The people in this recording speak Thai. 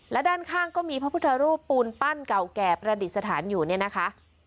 และด้านข้างก็มีพระพุทธรูปปูนปั้นเก่าแก่ประดิษฐานอยู่เนี่ยนะคะ